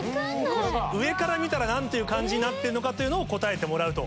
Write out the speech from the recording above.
上から見たら何という漢字になっているのかというのを答えてもらうと。